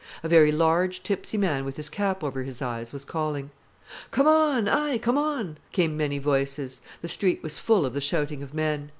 A very large, tipsy man, with his cap over his eyes, was calling. "Com' on—aye, com' on!" came many voices. The street was full of the shouting of men.